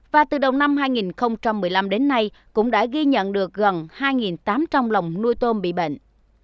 và từ đầu năm hai nghìn một mươi năm đến nay cũng đã ghi nhận được gần hai tám trăm linh lồng nuôi tôm bị bệnh